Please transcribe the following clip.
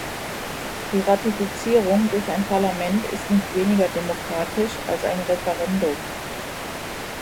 Die Ratifizierung durch ein Parlament ist nicht weniger demokratisch als ein Referendum.